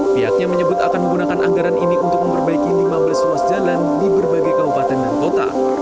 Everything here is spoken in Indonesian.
pihaknya menyebut akan menggunakan anggaran ini untuk memperbaiki lima belas ruas jalan di berbagai kabupaten dan kota